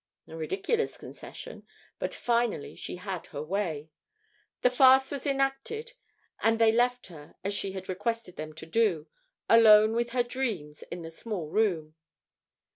A ridiculous concession, but finally she had her way; the farce was enacted and they left her as she had requested them to do, alone with her dreams in the small room.